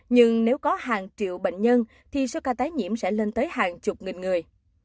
nhưng nếu có hàng triệu bệnh nhân thì số ca tái nhiễm sẽ lên tới hàng chục nghìn người